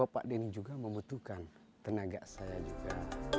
pak denny juga membutuhkan tenaga saya juga